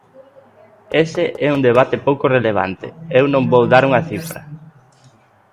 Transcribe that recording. "Ese é un debate pouco relevante; eu non vou dar unha cifra".